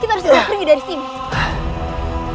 kita harus pergi dari sini